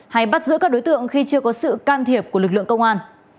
hay bắt giữ các đối tượng khi chưa có sự can thiệp của lực lượng công an